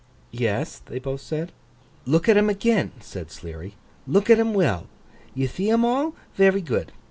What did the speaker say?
'Yes,' they both said. 'Look at 'em again,' said Sleary, 'look at 'em well. You thee em all? Very good.